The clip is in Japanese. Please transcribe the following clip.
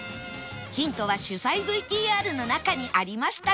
ヒントは取材 ＶＴＲ の中にありましたよ